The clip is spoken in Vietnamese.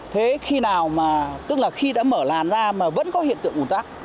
thế khi nào mà tức là khi đã mở làn ra mà vẫn có hiện tượng ồn tắc